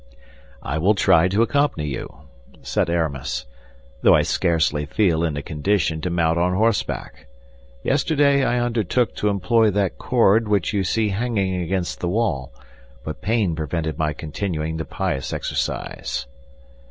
"I will try to accompany you," said Aramis, "though I scarcely feel in a condition to mount on horseback. Yesterday I undertook to employ that cord which you see hanging against the wall, but pain prevented my continuing the pious exercise."